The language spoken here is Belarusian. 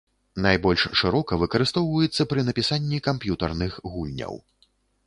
Найбольш шырока выкарыстоўваецца пры напісанні камп'ютарных гульняў.